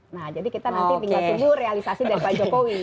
nah jadi kita nanti tinggal tunggu realisasi dari pak jokowi